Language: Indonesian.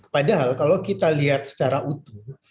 padahal kalau kita lihat secara utuh